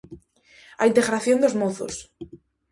A integración dos mozos.